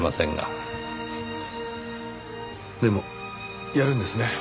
でもやるんですね。